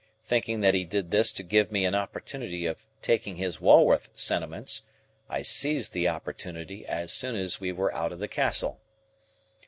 Thinking that he did this to give me an opportunity of taking his Walworth sentiments, I seized the opportunity as soon as we were out of the Castle.